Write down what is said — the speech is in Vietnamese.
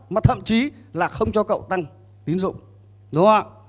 mà thậm chí là không cho cậu tăng tín dụng đúng không ạ